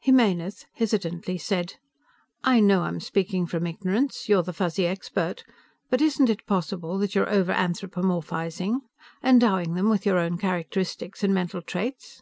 Jimenez, hesitantly, said, "I know I'm speaking from ignorance. You're the Fuzzy expert. But isn't it possible that you're overanthropomorphizing? Endowing them with your own characteristics and mental traits?"